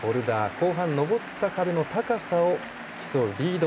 後半、登った壁の高さを競うリード。